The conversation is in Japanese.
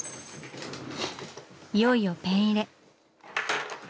いよいよペン入れ。